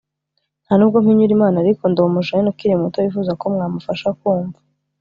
ntanubwo mpinyura Imana ariko ndi umujeune ukiri muto wifuza ko mwamufasha kumva